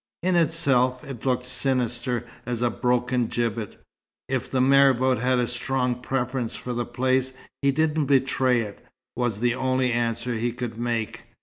In itself, it looked sinister as a broken gibbet. "If the marabout had a strong preference for the place, he didn't betray it," was the only answer he could make.